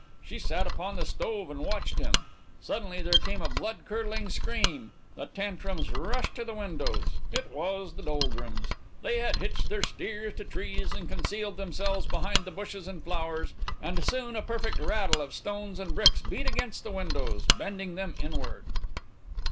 She sat upon the stove and watched him. Suddenly there came a blood curdling scream. The Tantrums rushed to the windows. It was the Doldrums. They had hitched their steers to trees and concealed themselves behind the bushes and flowers, and soon a perfect rattle of stones and bricks beat against the windows, bending them inward.